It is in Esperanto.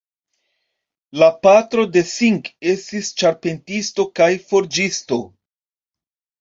La patro de Singh estis ĉarpentisto kaj forĝisto.